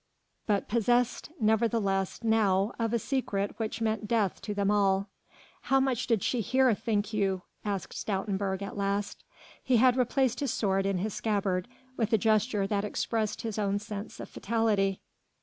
but possessed nevertheless now of a secret which meant death to them all! "How much did she hear think you?" asked Stoutenburg at last. He had replaced his sword in his scabbard with a gesture that expressed his own sense of fatality.